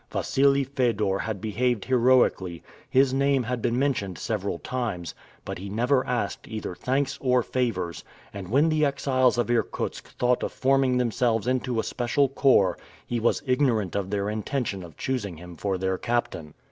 Wassili Fedor had behaved heroically; his name had been mentioned several times, but he never asked either thanks or favors, and when the exiles of Irkutsk thought of forming themselves into a special corps, he was ignorant of their intention of choosing him for their captain.